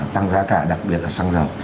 tăng giá cả đặc biệt là xăng dầu